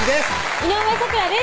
井上咲楽です